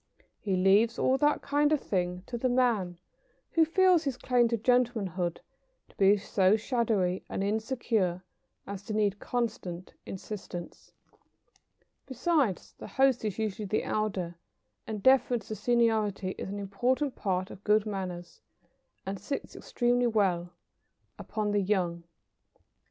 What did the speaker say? He leaves all that kind of thing to the man who feels his claim to gentlemanhood to be so shadowy and insecure as to need constant insistance. Besides, the host is usually the elder, and deference to seniority is an important part of good manners, and sits extremely well upon the young.